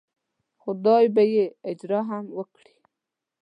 خدای به یې اجر هم ورکړي.